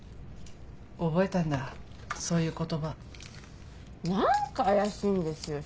覚えたんだそういう言葉。何か怪しいんですよ